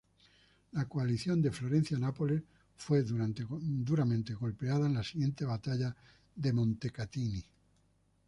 La coalición de Florencia-Nápoles fue duramente golpeada en la siguiente Batalla de Montecatini.